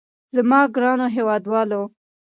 زما ګرانو هېوادوالو.